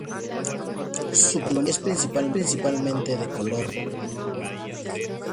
Su plumaje es principalmente de color verde.